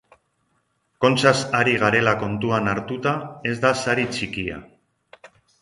Kontxaz ari garela kontuan hartuta, ez da sari txikia.